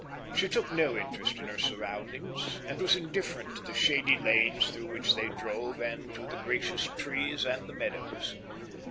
She took no interest in her surroundings, and was indifferent to the shady lanes through which they drove and to the gracious trees and the meadows.